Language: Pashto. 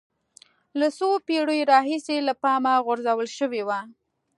له څو پېړیو راهیسې له پامه غورځول شوی و